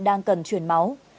đang cần truyền máu